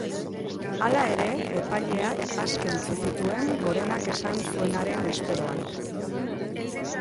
Hala ere epaileak aske utzi zituen Gorenak esan zuenaren esperoan.